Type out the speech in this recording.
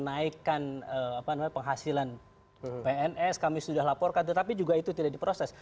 kami sudah melakukan penghasilan pns kami sudah laporkan tetapi juga itu tidak diproses